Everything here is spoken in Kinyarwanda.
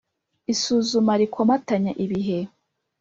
isuzuma rikomatanya ibihe